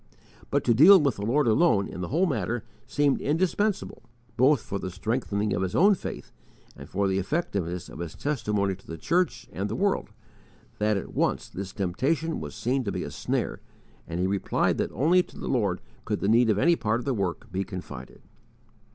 But to deal with the Lord alone in the whole matter seemed so indispensable, both for the strengthening of his own faith and for the effectiveness of his testimony to the church and the world, that at once this temptation was seen to be a snare, and he replied that only to the Lord could the need of any part of the work be confided.